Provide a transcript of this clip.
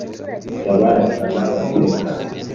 y’abarasana baseka